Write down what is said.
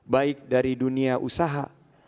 baik dari dunia usaha